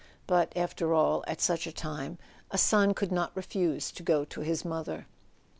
But, after all, at such a time a son could not refuse to go to his mother.